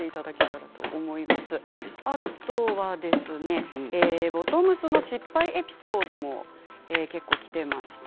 あとはボトムスの失敗エピソードがきています。